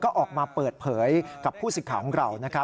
ก็ออกมาเปิดเผยกับผู้สิทธิ์ของเรา